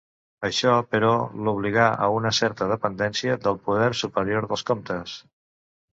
Això, però, l'obligà a una certa dependència del poder superior dels comtes.